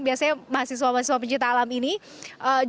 biasanya mahasiswa mahasiswa pencipta alam ini juga tidak hanya membersihkan